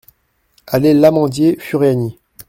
Allée l'Amandier, Furiani